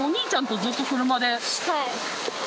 はい。